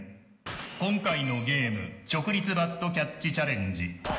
今回のゲーム直立バットキャッチチャレンジ。